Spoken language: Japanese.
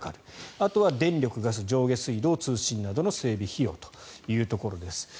あとは電力、ガス上下水道、通信などの整備費用というところです。